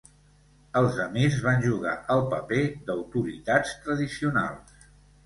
Els emirs van jugar el paper d'autoritats tradicionals.